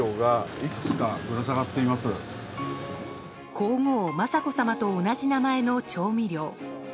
皇后・雅子さまと同じ名前の調味料。